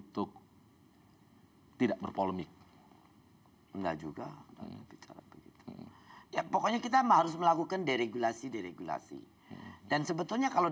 sudah ya pokoknya kita harus melakukan deregulasi deregulasi dan sebetulnya kalau